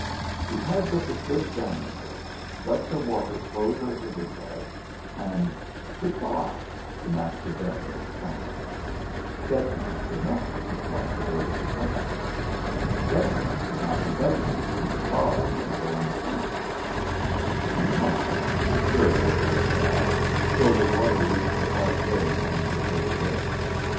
He had but to slip down a foot, let the water close over his head, and "Good bye" to Master Ventnor's triumph Dead men could not be kicked off the Boards of Companies. Dead men could not be beggared, deprived of their independence. He smiled and stirred a little in the bath till the water reached the white hairs on his lower lip.